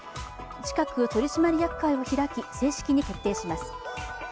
近く取締役会を開き正式に決定します。